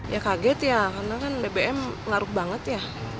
ya kaget ya karena kan bbm ngaruh banget ya